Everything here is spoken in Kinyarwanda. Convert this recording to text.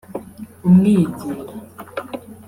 umwegera